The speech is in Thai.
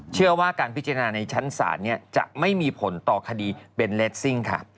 เชื่อว่าการพิจารณาในชั้นศาลจะไม่มีผลต่อคดีเป็นเลสซิ่งค่ะ